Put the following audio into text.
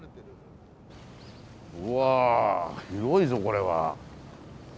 うわ広いぞこれは。